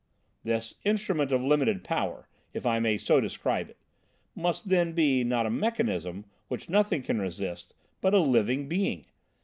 "This instrument 'of limited power,' if I may so describe it, must then be, not a mechanism which nothing can resist, but a living being!